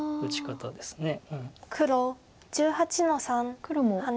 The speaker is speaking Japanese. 黒１８の三ハネ。